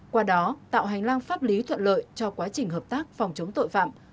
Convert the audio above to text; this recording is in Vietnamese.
qua đó tạo hành lang pháp lý thuận lợi cho quá trình hợp tác phòng chống tội phạm